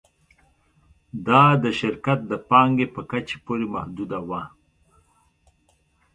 دا د شرکت د پانګې په کچې پورې محدوده وه